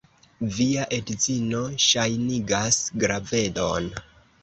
Via edzino ŝajnigas gravedon.